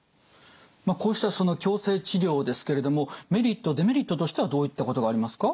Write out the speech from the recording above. こうしたその矯正治療ですけれどもメリットデメリットとしてはどういったことがありますか？